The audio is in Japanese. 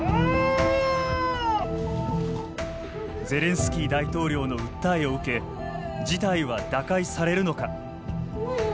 ゼレンスキー大統領の訴えを受け事態は打開されるのか。